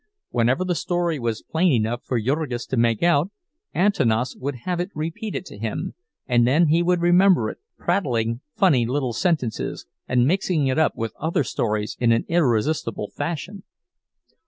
Whenever the story was plain enough for Jurgis to make out, Antanas would have it repeated to him, and then he would remember it, prattling funny little sentences and mixing it up with other stories in an irresistible fashion.